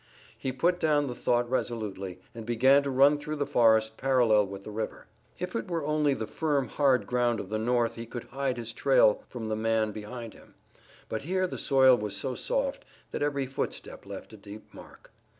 He put down the thought resolutely, and began to run through the forest parallel with the river. If it were only the firm hard ground of the North he could hide his trail from the man behind him, but here the soil was so soft that every footstep left a deep mark.